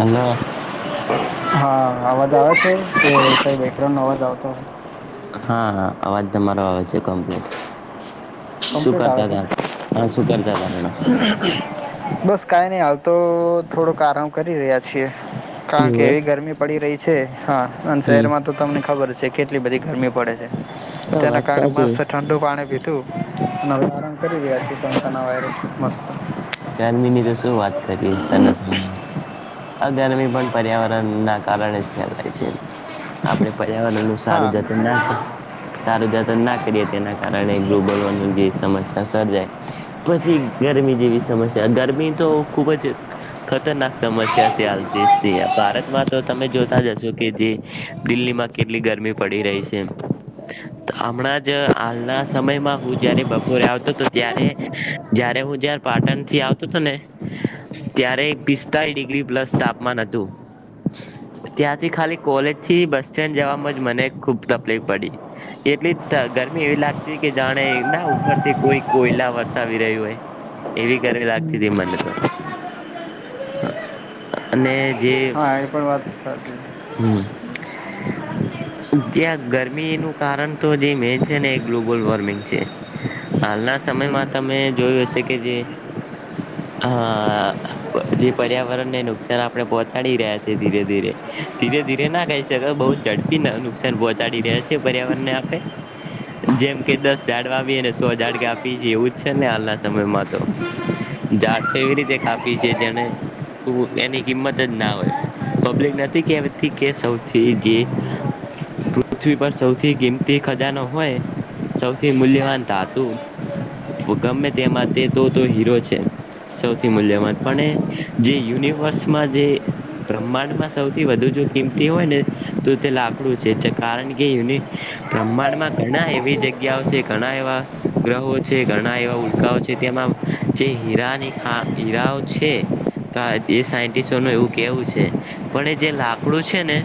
Hello હા અવાજ આવે છે કે કઈ વકરણ નો અવાજ આવતો હા હા અવાજ તમારો આવે છે કમ્પ્લીટ શું કમ્પ્લીટ આવે કરતા છે ને? હતા હા શું કરતા હતા હણા બસ કઈ નહી હાલ તો થોડોક આરામ કરી રહ્યા છીએ કારણ કે એવું એવી ગરમી પડી રહી છે હા અને એમ શહેરમાં તો તમને ખબર છે કેટલી બધી ગરમી પડે હા તેના વાત કારણે સાચી મસ્ત ઠંડુ પાણી પીતું અને ગર કરી રહ્યા જ તેડાકાના વાયરમા ગરમી ની તો શું વાત કરિયે [unintelligible] આ ગરમી પણ પર્યાવરણ ના કારણે જ ફેલાય છે આપડે પર્યાવરણ નું હા સારું હમ. જતન ના કર્યું સારું જતન ના કરીએ તેના કારણે ગ્રલોબ વોર્મિંગ જેવી સમસ્યા સર્જાય પછી ગરમી જેવી સમસ્યા ગરમી તો ખુબ જ ખતરનાક સમસ્યા છે હાલ દેશની ભારતમાં તો તમે જોતા હશો કે જે દિલ્હીમાં કેટલી ગર મી પડી રહીજે હમણાં જ હાલના સમયમાં હું જયારે બપોરે આવ તો તો ત્યારે જયારે હું જયારે પાટણ થી આવતો હતો ને ત્યારે પિતા ડિગ્રી પ્લસ તાપમાન હતું ત્યાંથી ખાલી કોલેજ થી બસ સ્ટેન્ડ જવામાં જ મને ખુબ તપલીપ પડી, એટલી ત ગરમી એવી લાગતી કે જાણે ના ઉપરથી કોઈ કોયલા વરસાવી રહ્યું હોય, એવી ગરમી લાગતી તી મને તો. અને જે, હા એ પણ વાત સાચી હમ્મ. [inaudible] જ્યા ગરમીનું કારણ તો જે મેન છે ને એ ગ્લોબલ વોર્મિંગ છે. હાલના સમયમાં તમે જોયું હશે કે જે હા આ જે પર્યાવરણ ને નુકસાન આપણે પોહચાડી રહ્યા છે ધીરે ધીરે, ધીરે ધીરે ના કહી શકાય, બહુ જ ઝડપી ન નુકસાન પોહચાડી રહ્યા છે પર્યાવરણ ને આપડે. જેમ કે દસ જાડ વાવીએે ને સો જાડ કાપીયી છી, એવું જ છે ને હાલના સમયમાં તો. ઝાડ તો એવી રીતે કાપી છે, જેને ખુ એની કિંમત જ ના હોય. પબ્લિક નથી કેવતી કે સૌથી જે પૃથ્વી પર સૌથી કિમતી ખજાનો હોય, સૌથી મૂલ્યવાન ધા તુ ગમે તે માતે તે તો હીરો છે. સૌથી મૂલ્યવાન પણ એ જે યુનિવર્સમાં જે બ્રહ્માંડમાં સૌથી વધુ જો કિંમતી હોય ને, તો તે લાકડું છે, ચ કારણ કે યુંની બ્રહ્માંડમાં ઘણા એવી જગ્યાઓ છે, ઘણા એવા ગ્રહો છે, ઘણા એવા ઉલ્કાઓ છે તેમાં જે હીરાની ખા હીરાઓ છે તા તે સાયન્ટિસ્ટોનું એવું કેવું છે, પણ એ જે લાકડું છે ને,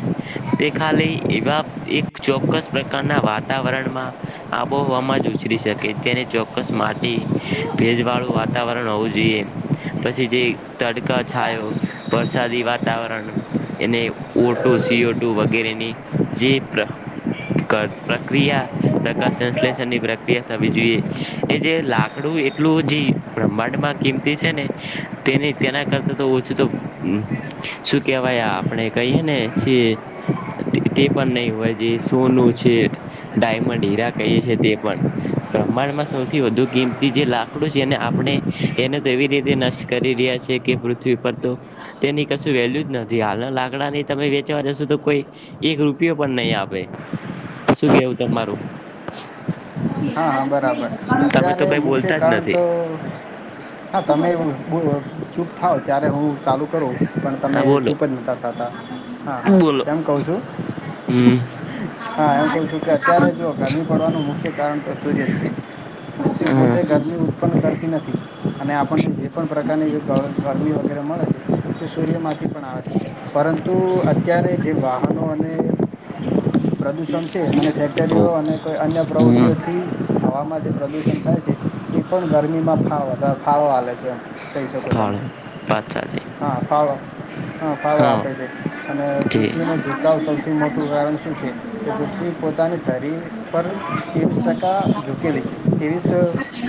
તે ખાલી એવા એક ચોક્કસ પ્રકારના વાતાવરણમાં, આબોહવામાં જ ઉછરી શકે. કે તેને ચોક્કસ માટી, ભેજ વાળું વાતાવરણ હોવું જોઈએ, પછી જે તડકા, છાયો, વરસાદી વાતાવરણ. એને O two, C O two વગેરેની જે પ્ર ક પ્રક્રિયા પ્રકાશ સંશ્લેષણની પ્રક્રિયા થવી જોઈયે, એ જે લાકડું એટલું જી બ્રહ્માંડમાં કિંમતી છે ને, તેની [unintelligible] તેના કરતા તો ઓછું તો શું કેવાય આપણે કહીયે ને છીએ તે તે પણ નહી હોય જે સોનું છે, ડાયમંડ, હીરા કહીયે છે તે પણ. પ્રમાણમાં સૌથી વધુ કિંમતી જે લાકડું છે એને આપણે એને તો એવી રીતે નષ્ટ કરી યા છે કે પૃથ્વી પર તો તેની કસુ વેલ્યુ જ નથી હાલના લાકડા ની તમે વેચવા જશો તો કો ઈ એક રૂપિયો પણ નહી આપે, શું કેવું તમારું? હા હા બરાબર, તમે તો અત્યારે કઈ મુખ્ય બોલતા જ કારણ નથી તો હા તમે હમ્મ બોલો ચૂપ થાવ ત્યારે હું ચાલુ કરું, પણ હા તમે બોલો ચૂપ જ નતા થા તા, હા હા, બોલો કેમ કવ છું હમ હા એમ કઉ છું કે અત્યારે જો ગરમી પડવાનું મુખ્ય કારણ તો સૂર્ય જ છે. તે હમ પોતે ગરમી ઉત્પન્ન કરતી નથી, અને આપણને જે પણ પ્રકારની ગ ગરમી વગેરે મળે છે. તે સૂર્યમાંથી પણ આવે, પરંતુ અત્યારે જે વાહનો અને પ્રદુષણ છે અને ફેક્ટરીઓ અને કોઈ અન્ય [unintelligible] હમ થી હવામાં જે પ્રદૂષણ થાય છે, એ પણ ગરમીમા ફાડ વધારે ફાળો આલે છે કહી શકો તમે, ફાળો વાત સાથે હા ફાળો ફાળો હા આપે છે અને પૃથ્વી નુ ધૂકાવ જી. સૌથી મોટું કારણ શું છે, કે પૃ થ્વી પોતાની ધરી ઉપર ત્રેવીસ ટકા જુકેલી છે, ત્રેવીસ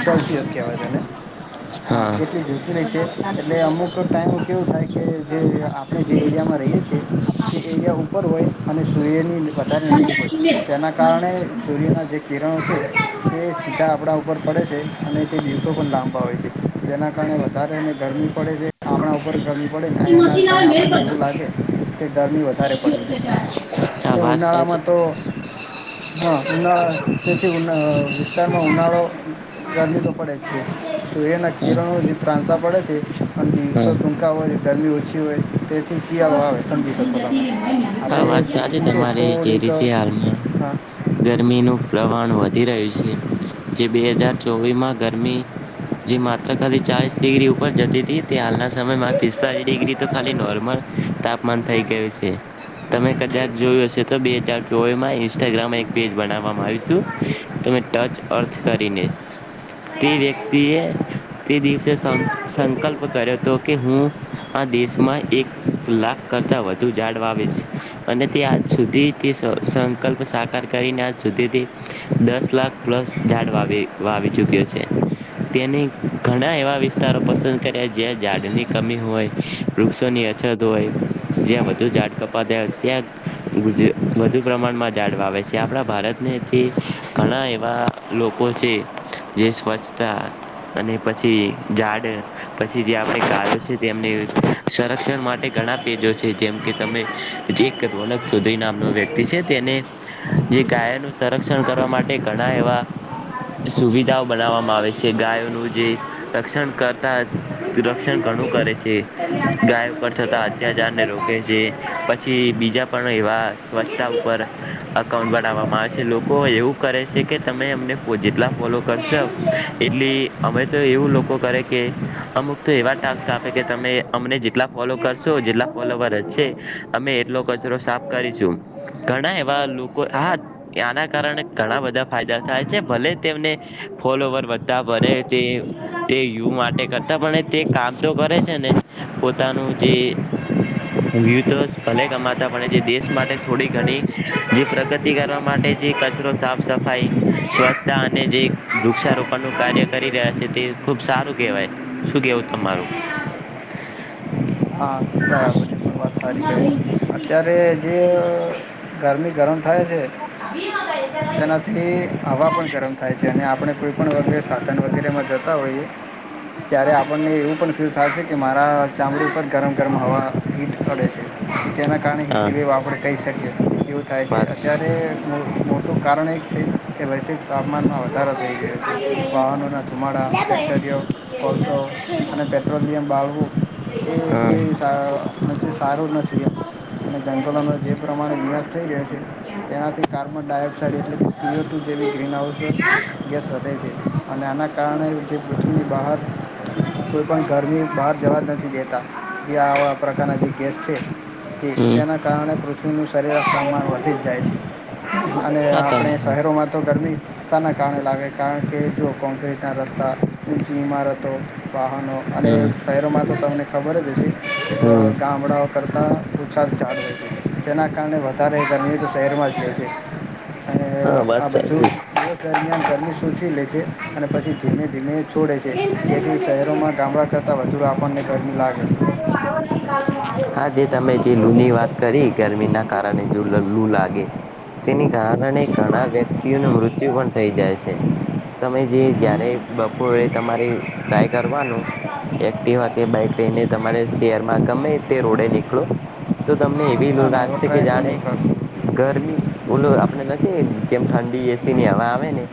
સેલ્સિયસ કેહવાય તેને. હા એટલી જુકી રહી છે, એટલે અમુક ટાઈમ કેવું થાય કે જે આપણે જે એરિયામાં રહીયે છે, તે એરિયા ઉપર હોય અને સૂર્યની વધારે નજીક હોય, તેના ના કારણે સૂર્યના જે કિરણો છે, એ સીધા આપણા ઉપર પડે છે અને તે દિવસો પણ લાંબા હોય છે જેના કારણે વધારેને ગરમી પડે છે. આપણાં ઉપર ગરમી પડે અને એના કારણે આપણને એવું લાગે, કે ગરમી વધારે પડે છે. હા એ વાત સાચી ઉનાળામાં તો, હા ઉનાળા તેથી ઉનાળો વિસ્તારમાં ઉનાળો ગરમી તો પડે છે. એના હમ કિરણોથી ત્રાસા પડે છે અને દિવસો હમ. ટૂંકા હોય ગરમી ઓછી હોય તે શિયાઓ આવે સમજી શકો તમે હા આપણે વાત સાચી પૃથ્વી છે તમારી જે થોડીક રીતે હાલમાં હા ગરમીનું પ્રમાણ વધી રહ્યું છે જે બે હજાર ચોવીસ માં ગરમી જે માત્ર ખાલી ચાલીસ ડિગ્રી ઉપર જતી હતી તે હાલના સમયમાં પિસ્તાળ ડિગ્રી તો ખાલી નોર્મલ તાપમાન થઈ ગયું છે. તમે કદાચ જોયું હશે તો બે હજાર ચોવીસ માં ઇન્સ્ટાગ્રામ એક પેજ બનાવવામાં આવ્યું હતું તો ને ટચ અર્થ કરીને. તે વ્યક્તિએ તે દિવસે સં સંકલ્પ કર્યો હતો કે હું આ દેશમાં એક લાખ કરતા વધુ જાડ વાવીશ અને તે આજ સુધી તે સં સંકલ્પ સાકાર કરી [unintelligible] સુધીથી દસ લાખ પ્લસ ઝાડ વાવી વાવી ચુક્યો છે. તેની ઘણા એવા વિસ્તારો પસંદ કર્યા જ્યાં ઝાડની કમી હોય વૃક્ષોની [unintelligible] જ્યાં વધુ ઝાડ કપાતા ત્યાં ગુજ વધુ પ્રમાણમાં ઝાડ વાવે છે આપણા ભારત ને તે ઘણા એવા લોકો છે જે સ્વચ્છતા અને પછી ઝાડ પછી જે આપણે ગાયો છે તેમને સરક શિક્ષણ માટે ઘણા પેજો છે જેમ કે તમે જે રોનક ચૌધરી નામનો વ્યક્તિ છે તેને જે ગાયો ન સંરક્ષણ કરવા માટે ઘણા એવા સુવિધાઓ બનાવવામાં આવે છે. છે ગાયોનું જે રક્ષણ કરતા રક્ષણ ઘણું કરે છે ગાયો પર થતા અત્યાચારને રોકે છે પછી બીજા પણ એવા સ્વચ્છતા ઉપર અ અકાઉન્ટ બનાવવામાં આવે છે લોકો એવું કરે છે કે તમે અમને ફો જેટલા ફોલો કરશો એ તે અમે તો એવું લોકો કરે કે અમુક તો એવા ટાસ્ક આપે કે તમે અમને જેટલા ફોલો કરશો જેટલા ફોલોવર છે અમે એટલો કચરો સાફ કરીશું ઘણા એવા લોકો આ ત્યાં ના કારણે ઘણા બધા ફાયદા થાય છે ભલે તેમને ફોલવર વધતા ભલે તે તે યુ માટે કરતા પણ તે કામ તો કરે છે ને પોત પોતાનું જે [unintelligible] હા ભલે બરાબર કમાતા પણે જે એ દેશ પણ માટે થોડી ઘણી જે પ્રગતિ કરવા માટે જે કચરો સાફ સફાઈ સ્વચ્છતા અને જે વૃક્ષારોપણ નું કાર્ય કરી રહ્યા છે તે ખુબ સારું કેવાય શું કેવું તમારું. હા બરાબર. સારી કે અત્યારે જે ગરમી ગરમ થાય છે તેનાથી હવા પણ ગરમ થાય છે અને આપણે કોઈ પણ વગેરે સાધન વગેરેમાં જતા હોઈએ ત્યારે આપ આપને એવું પણ ફીલ થાય છે કે મારા ચામડી ઉપર ગરમ ગરમ હવા હીટ કરે છે તેના કારણે હા હીટ આપણે કહી શકીએ એવું થાય છે બસ અત્યારે તે મો મોટું કારણ એ છે. એ વૈશ્વિક તાપમાનમાં વધારો થઈ ગયો છે વાહનોના ધુમાડા [unintelligible] કોલસો અને પેટ્રોલિયમ બાળવું હ [unintelligible] સા નથી શારુ નથી એમ. અને જંગલોનો જે પ્રમાણે નિકાશ થઈ રહ્યો છે તેનાથી કાર્બન ડાયોક્સાઇડ એટલે સીઓ ટુ જેવી ગ્રીનહાઉસ ગેસ વધે છે અને આના કારણે જે પૃથ્વી બહાર કોઈ પણ ઘરની બહાર જવા જ નથી દેતા. જે આવા પ્રકારના જે ગેસ છે હમ જે [unintelligible] કારણે પૃથ્વીનું શરીર પ્રમાણ વધી જ જાય છે અને હા ત આપણે હમ શહેરોમાં તો ગરમી સા ના કારણે લાગે કારણ કે જો કોકટેલ ના રસ્તા ઊંચી ઈમારતો વાહનો અને શહેરોમાં તો તમને ખબર જ હશે આ હમ ગામડાઓ કરતાં ઉત્સાહ ચાલુ હતો જેના કારણે વધારે ગરમી શહેરમાં જ રહેશે. અને હા વાત આ બધું સાચી. [unintelligible] પણ સૂચી લે છે અને પછી ધીમે ધીમે છોડે છે જેથી શહેરોમાં ગામડા કરતા તો આપને [unintelligible] હા જે તમે જે લૂ ની વાત કરી ગરમી ના કારણે જો લુ લાગે તેની કારણે ઘણા વ્યક્તિઓનું મૃત્યુ પણ થઈ જાય છે તમે જે જારે બપોરે તમારે ટ્રાય કરવાનું એક્ટીવા કે બાઈક લઈને તમારે શેર માં ગમે તે રોડે નીકળો તો તમને એવી લુ ના ના એવો રાખશે કે ટ્રાય હું જાણે નહીં કરું ગરમી ઓલુ આપણે નથી કેમ ઠંડી એસી ની હવા આવે ને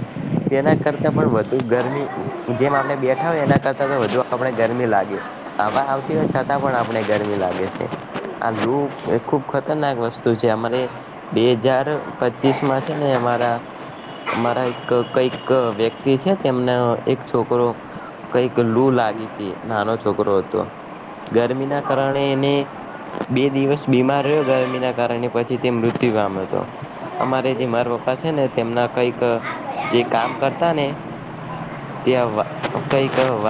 તેના કરતાં પણ વધુ ગરમી જેમ આપણે બેઠા હોય એના કરતાં તો વધુ આપણે ગરમી લાગે હવા આવતી હોય છતાં પણ આપણે ગરમી લાગે છે આ લુ એ ખુબ ખતરનાક વસ્તુ છે અમારે બે હજાર પચીસ માં છે ને અરા અમારા એક કઈક વ્યક્તિ છે તેમને એક છોકરો કઈક લૂ લાગી લાગી હતી નાનો છોકરો હતો ગરમી ના કારણે એને બે દિવસ બીમાર રહ્યો ગરમીના કારણે પછી તે મૃત્યુ પામ્યો હતો અમારે જે મારા પપ્પા છે ને તેમના કઈક જે કામ કરતા ને ત્યાં કઈક બસ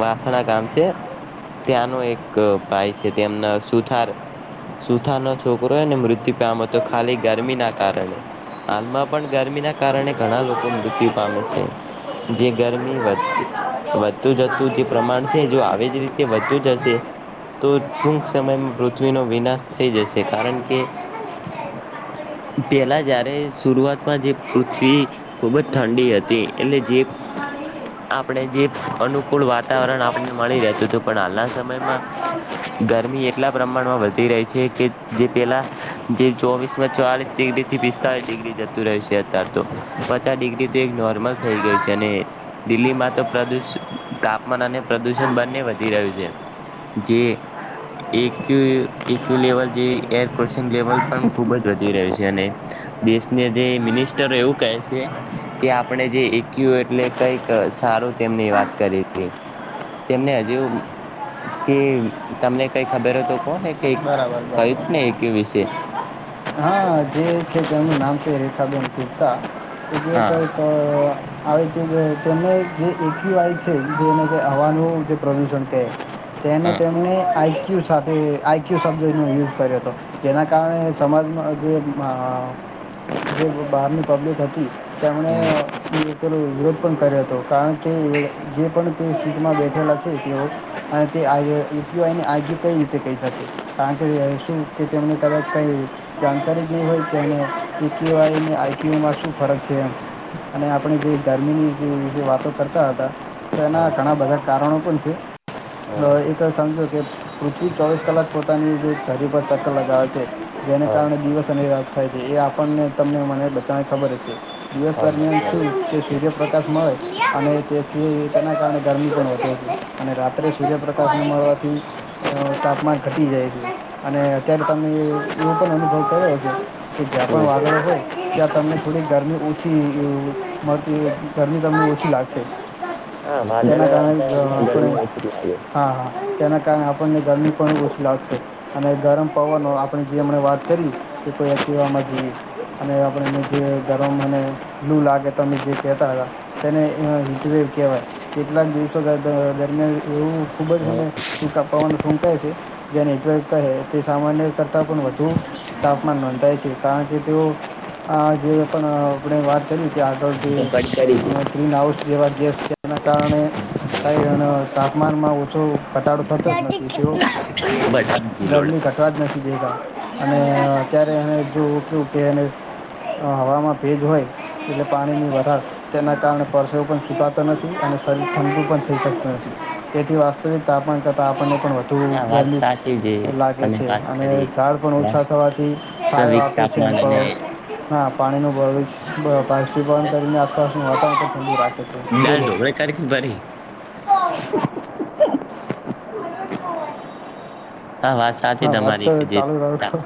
વાસણા ગામ છે ત્યાંનો એક ભાઈ છે તેમના સુથાર સુથારનો છોકરોયને મૃત્યુ પામતો ખાલી ગરમી ના કારણે હાલમાં પણ ગરમીના કારણે ઘણા લોકો મૃત્યુ પામે છે જે ગરમી વધ વધતું જતું જે પ્રમાણ છે જો આવી જ રીતે વધતુ જ હશે તો ટૂક સમયમાં પૃથ્વીનો વિનાશ થઈ જશે કારણ કે [inaudible] પેલા જારે શરઆતમાં જે પૃથ્વી ખૂબ જ ઠંડી હતી એટલે જે આપણે જે અનુકૂળ વાતાવરણ આપને મળી રહે પણ હાલના સમયમાં કોમ કરાયું ગરમી એટલા પ્રમાણમાં વધી રહી છે કે જે પેલા જે ચોવીસ માં ચાલીસ ડિગ્રી થી પિસ્તાળસ ડિગ્રી જતું રહે છે અત્યાર તો પચાસ ડિગ્રીથી નોર્મલ થઈ ગયું છે હા અને દિલ્હીમાં તો તાપમાન અને પ્રદુષણ બંને વધી રહ્યું છે જે એક્ય એકુ લેવલ જે એરલશન લેવલ પણ ખુબ જ વધી રહ્યું છે અને દેશને જે મિનિસ્ટરો એવું કહે છે કે આપણે જે એકયુ એટલે કઈક સારું તેમની વાત કરી હતી તેમને હજીવ કે તમને કઈ ખબર હો તો કોને કહ બરાબર હતું ને એકય વિશે બરાબર હા જે છે તેમનું નામ છે રેખાબેન કુપ્તા એ જે હા કઈક આવેને જે એકય છે જે હવાનું જે પ્રદુષણ કે તેને હા તેમને આઈ ક્યુ સાથે આઈ ક્યુ શબ્દનો યુઝ કર્યો હતો જેના કારણે સમાજમાં જે જે બહારની પબ્લિક હતી તેમણે હમ તેનો વિરોધ પણ કર્યો હતો કારણ કે જે પણ તે સીટમાં બેઠેલા છે તેઓ અને તે આ કઈ રીતે કહી શકે કારણ કે શું કે તેમને કદાચ કઈ જાણકારી જેવી હોય કેને એ કવાયને આઈ ટઓમાં શું ફરક છે એમ અને આપણે જે ગરમીની જે વાતો કરતા હતા તો એના હા ઘણા બધા કારણો પણ છે હા એકંગ કે પૃથ્વી ચોવીસ કલાક પોતાની જે ધરી પર ચક્કર લગાવે છે જેને હા કારણે દિવસ અને રાત થાય છે એ આપણને તમને મને બધાને ખબર જ છે દિવસ હા દરમિયાન હા શ તે સૂર્યપ્રકાશ મળે અને તે તેના કારણે ગરમી પણ વધતી હતી અને રાત્રે સૂર્યપ્રકાશને મળવાથી તાપમાન ઘટી જાય અને અત્યારે તમે એવો પણ અનુભવ કર્યો છે કે જ્યાં પણ હમ વાગળ છે ત્યાં તમને થોડી ગરમી ઓછી ગરમી તમને ઓછી લાગશે. હા વાદળ તેના કારણે કો વાતાવરણ ગરમી ઓછી લાગે હા, હા. તેના કારણે આપણને ગરમી પણ ઓછી લાગશે અને ગરમ પવનનો આપણે જે હમ વાત કરી કે કોઈ અએવામાં જઈએ, અને આપણેને જે ગરમ અને લું લાગે તો અમે જે કહેતા હતા તેને એ કહેવાય. કેટલાક દિવસો દરમિયાન એવું ખૂબ જેના હા કે પવન ફૂંકાય છે જે નેટવર્ક કહે તે સામાન્ય કરતાં પણ વધુ તાપમાન નોંધાય છે, કારણ કે તેઓ હા, જે પણ આપણે વાત કરી કે આગળથી તો કઈ કરી ગ્રીન હાઉસ જેવા ગેસ કારણે તાપમાનમાં ઓછુ ઘટાડો થતો જ નથી, હતી બટ તે લોડ ગરમી ઘટવા જ નથી દેતા. અને અત્યારે એને જોવું કું કે તે હવામાં ભેજ હોય, એટલે પાણીની વધારે તેના કારણે પરસેવો પણ નથી અને શરીર ઠંગુ પણ થઈ શકતું નથી. તેથી, વાસ્તવિક તપણ કરતાં આપણને પણ વધુ હા વાત ગરમી સાચી છે લાગે તમે છે વાત અને કરી ઝાડ પણ ઓછું છછા થવાથી છાયો વાસ્તવિક આપે છે તાપમાન એને અને કરો હા પાણી ન ભવ પણ કરીને આસપાસનું વાટ ુ રાખ [unintelligible] બે ઢોકળી ખાધી કે ભરી. [unintelligible] હા, વાત સાથે હા વાત તો અમારી કે જે ચાલુ રાખો